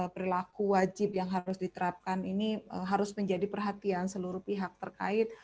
perilaku wajib yang harus diterapkan ini harus menjadi perhatian seluruh pihak terkait